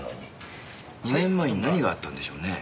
２年前に何があったんでしょうね。